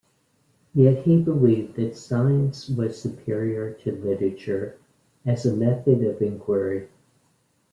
Yet he believed that science was superior to literature as a method of inquiry.